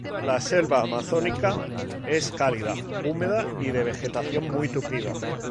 La "Selva" Amazónica, es cálida, húmeda y de vegetación muy tupida.